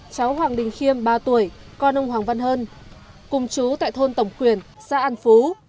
cháu hoàng đình khiêm ba tuổi con ông hoàng văn hơn cùng chú tại thôn tổng quyền xã an phú